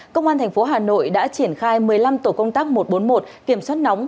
công an thành phố hà nội đã triển khai một mươi năm tổ công tác một trăm bốn mươi một kiểm soát nóng